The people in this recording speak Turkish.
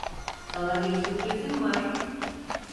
Sana bir sürprizim var.